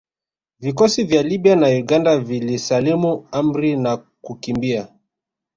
Vikosi vya Libya na Uganda vilisalimu amri na kukimbia